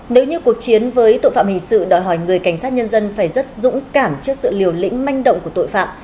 nếu như cuộc chiến với tội phạm hình sự đòi hỏi người cảnh sát nhân dân phải rất dũng cảm trước sự liều lĩnh manh động của tội phạm